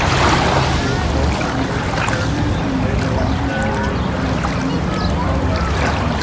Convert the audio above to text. He was co-founder, chairman and later honorary president of the Pro Life Campaign.